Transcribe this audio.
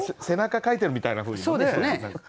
背中かいてるみたいなふうにもね。